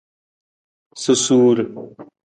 Susuur.